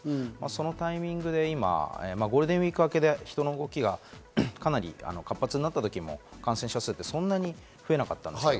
そのタイミングで今ゴールデンウイーク明けで人の動きがかなり活発になったときも感染者数はそんなに増えなかったんですよ。